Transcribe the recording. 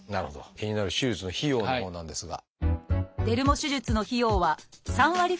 気になる手術の費用のほうなんですが。